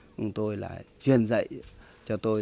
chúng tôi là truyền dạy cho tôi